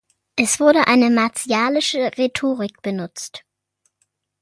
Es wurde eine martialische Rhetorik benutzt.